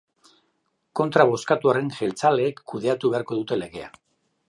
Kontra bozkatu arren, jeltzaleek kudeatu beharko dute legea.